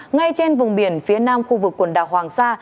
ngay trên vùng biển phía nam khu vực quần đảo hoàng sa